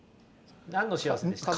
何の幸せでした？